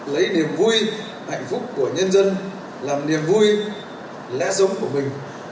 lấy niềm vui hạnh phúc của nhân dân làm niềm vui lẽ sống của mình